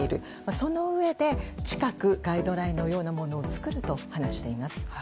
そのうえで近くガイドラインのようなものを作ると話しています。